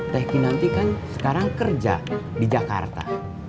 teh kinanti kan sekarang kerja di jakarta